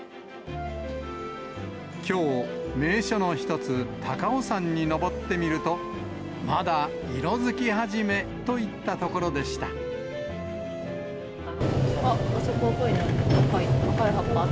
きょう、名所の一つ、高尾山に登ってみると、まだ色づき始めといったとこあ、あそこ、濃いじゃん。